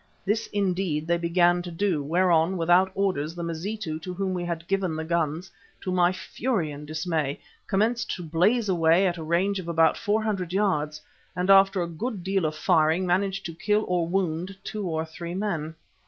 This, indeed, they began to do, whereon, without orders, the Mazitu to whom we had given the guns, to my fury and dismay, commenced to blaze away at a range of about four hundred yards, and after a good deal of firing managed to kill or wound two or three men.